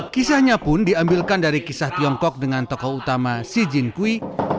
kisahnya pun diambilkan dari kisah tiongkok dengan tokoh utama xi jin qui